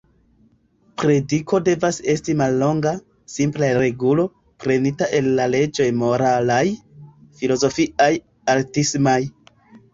Prediko devas esti mallonga: simple regulo, prenita el la leĝoj moralaj, filozofiaj, artismaj.